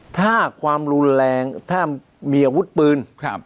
ถ้าความรุนแรงถ้ามีอาวุธปืน